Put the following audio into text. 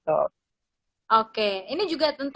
oke ini juga tentang